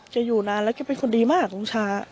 อยู่นานแล้วแกเป็นคนดีมากลุงชา